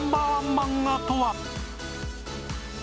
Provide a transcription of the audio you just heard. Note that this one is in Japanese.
漫画とは？